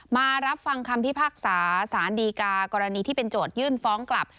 มารับฟังคำพิพากษาสารดีกากรณีที่เป็นโจทยื่นฟ้องกลับ